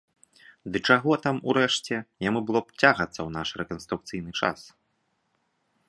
Ды чаго там, урэшце, яму было б цягацца ў наш рэканструкцыйны час?